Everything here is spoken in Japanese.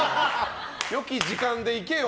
良き時間で行けよ。